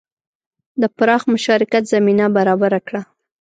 د پراخ مشارکت زمینه برابره کړه.